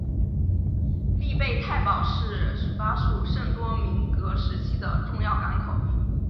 利贝泰堡是法属圣多明戈时期的重要港口。